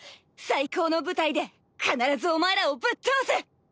最高の舞台で必ずお前らをぶっ倒す！